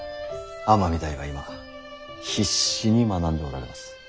尼御台は今必死に学んでおられます。